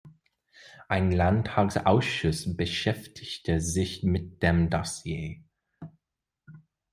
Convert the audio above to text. Ein Landtagsausschuss beschäftigte sich mit dem Dossier.